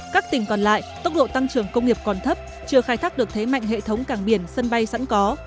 các tỉnh còn lại tốc độ tăng trưởng công nghiệp còn thấp chưa khai thác được thế mạnh hệ thống cảng biển sân bay sẵn có